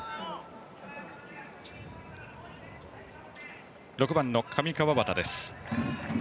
バッターは６番の上川畑です。